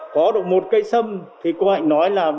có được một cây sâm thì cô hạnh nói là